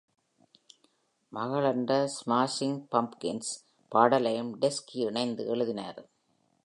"மகள்" என்ற ஸ்மாஷிங் பம்ப்கின்ஸ் பாடலையும் ரெட்ஸ்கி இணைந்து எழுதினார்.